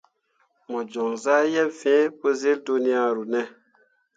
Mo joŋ zah yeb fee pǝ syil dunyaru ne ?